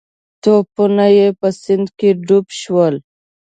توپونه یې په سیند کې ډوب شول.